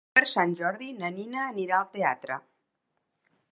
Per Sant Jordi na Nina anirà al teatre.